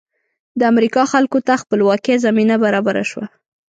د امریکا خلکو ته خپلواکۍ زمینه برابره شوه.